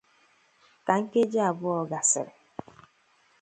Ka nkeji abụọ gasịrị